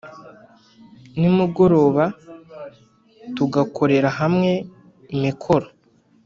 nimugobora tugakorera hamwe imikoro,